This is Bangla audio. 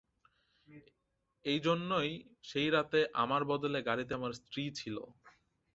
এজন্যই সেই রাতে আমার বদলে গাড়িতে আমার স্ত্রী ছিল।